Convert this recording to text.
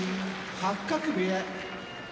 八角部屋